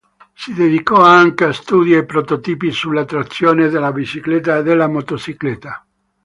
Si dedicò anche a studi e prototipi sulla trazione della bicicletta e della motocicletta.